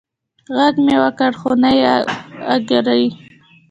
غږ مې وکړ خو نه یې اږري